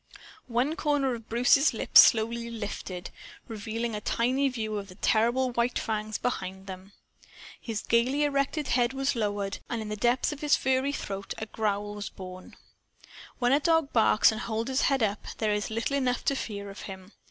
One corner of Bruce's lips slowly lifted, revealing a tiny view of the terrible white fangs behind them. His gayly erect head was lowered, and in the depths of his furry throat a growl was born. When a dog barks and holds his head up, there is little enough to fear from him.